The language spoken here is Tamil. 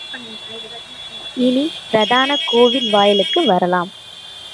இனி பிரதான கோயில் வாயிலுக்கு வரலாம்.